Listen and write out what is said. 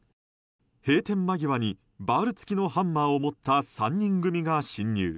閉店間際にバール付きのハンマーを持った３人組が侵入。